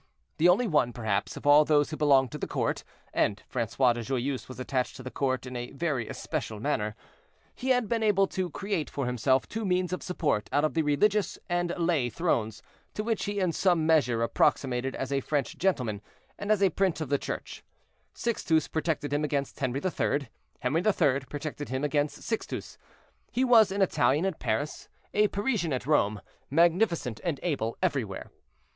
The only one, perhaps, of all those who belonged to the court—and Francois de Joyeuse was attached to the court in a very especial manner—he had been able to create for himself two means of support out of the religious and lay thrones to which he in some measure approximated as a French gentleman, and as a prince of the church; Sixtus protected him against Henri III., Henri III. protected him against Sixtus. He was an Italian at Paris, a Parisian at Rome, magnificent and able everywhere.